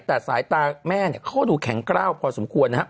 แต่สายตาแม่เขาก็ดูแข็งกล้าวพอสมควรนะฮะ